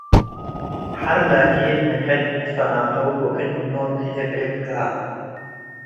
ሐር ላኪን ምን ሕድ ትፈናተው ወክል-ምኖም ክልኤ ፍልቅ ገአ ።